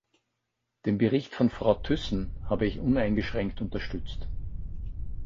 Den Bericht von Frau Thyssen habe ich uneingeschränkt unterstützt.